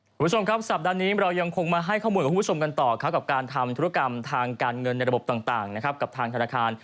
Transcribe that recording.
คุณผู้ชมครับสัปดาห์นี้เรายังคงมาให้ข้อมูลกับคุณผู้ชมกันต่อครับกับการทำธุรกรรมทางการเงินในระบบต่างนะครับกับทางธนาคาร